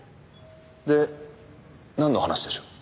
でなんの話でしょう？